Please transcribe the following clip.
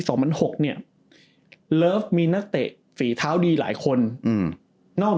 สองพันหกเนี่ยเลิฟมีนักเตะฝีเท้าดีหลายคนอืมนอก